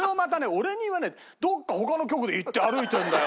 俺に言わないでどっか他の局で言って歩いてんだよ